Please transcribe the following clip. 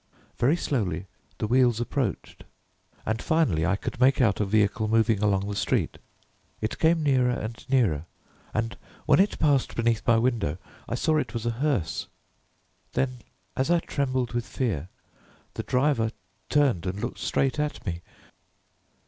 Very slowly the wheels approached, and, finally, I could make out a vehicle moving along the street. It came nearer and nearer, and when it passed beneath my window I saw it was a hearse. Then, as I trembled with fear, the driver turned and looked straight at me.